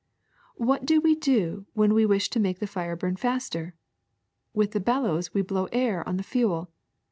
What do we do when we wish to make the fire burn faster? With the bellows we blow air on the fuel.